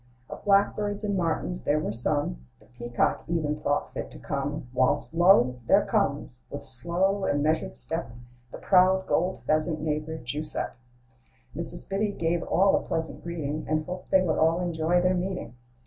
Of blackbirds and martins there were some ; The peacock even thought fit to come; Whilst lo! there comes, with slow and measured step, The proud gold pheasant bf neighbor Guiseppe. Mrs. Biddy gave all a pleasant greeting, And hoped they would all enjoy their meeting.